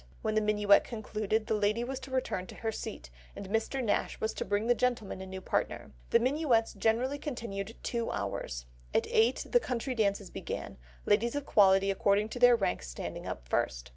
When the minuet concluded the lady was to return to her seat, and Mr. Nash was to bring the gentleman a new partner. The minuets generally continued two hours. At eight the country dances began, ladies of quality according to their rank standing up first.